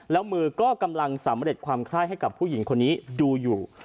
แล้วมือก็กำลังสำเร็จความไคร้ให้กับผู้หญิงคนนี้ดูอยู่